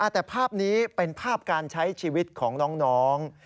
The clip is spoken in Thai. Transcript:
แต่ภาพนี้เป็นภาพการใช้ชีวิตของน้อง